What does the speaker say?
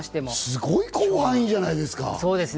すごい広範囲じゃないですか。